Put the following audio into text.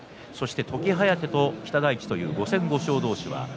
時疾風と北大地という５戦５勝同士。